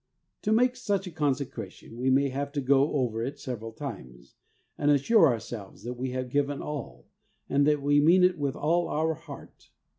To make such a consecration we may have to go over it several times, and assure our selves that we have given all, and that we mean it with all our heart.